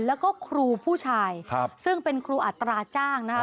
แล้วก็ครูผู้ชายซึ่งเป็นครูอัตราจ้างนะคะ